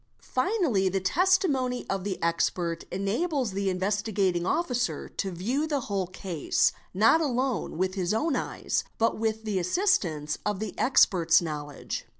* Finally, the testimony of the expert enables the Investigating Officer to view the whole case, not alone with his own eyes, but with the assist ance of the expert's knowledge.